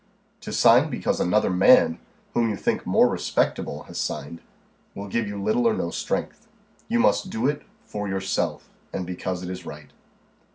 To sign because another man, whom you think more respectable, has signed, will give you little or no strength. You must do it for yourself, and because it is right."